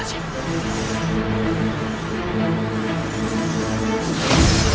aku yang menghabisimu